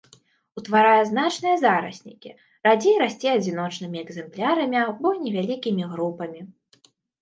Утварае значныя зараснікі, радзей расце адзіночнымі экзэмплярамі або невялікімі групамі.